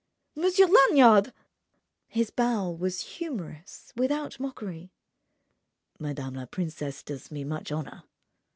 "Monsieur Lanyard!" His bow was humorous without mockery: "Madame la princesse does me much honour."